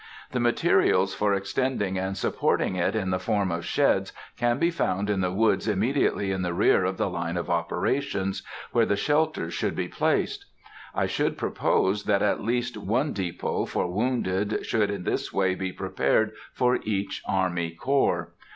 The materials for extending and supporting it in the form of sheds can be found in the woods immediately in the rear of the line of operations, where the shelters should be placed. I should propose that at least one depot for wounded should in this way be prepared for each army corps.